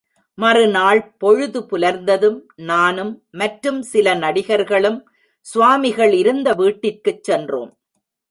மறுநாள் பொழுது புலர்ந்ததும் நானும் மற்றும் சில நடிகர்களும் சுவாமிகள் இருந்தவீட்டிற்குச்சென்றோம்.